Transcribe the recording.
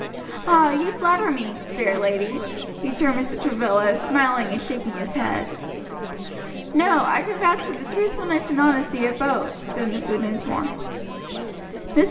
"Ah, you flatter me, fair ladies," returned Mr. Travilla, smiling and shaking his head. "No, I can vouch for the truthfulness and honesty of both," said Mr. Dinsmore. Mr.